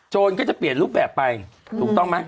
ก็จะเปลี่ยนรูปแบบไปถูกต้องไหม